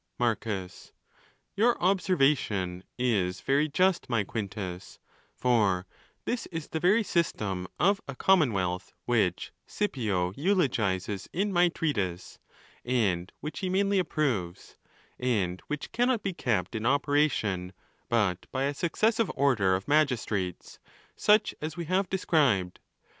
._. Marcus.—Your observation is very just, my Quintus, for this is the very system of a commonwealth which Scipio eulogises in my treatise, and which he mainly approves—and which cannot be kept in operation but by a successive order of magistrates, such as we have described.